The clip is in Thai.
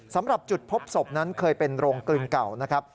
สำหรับจุดพบศพนั้นเคยเป็นโรงกลึงเก่านะครับ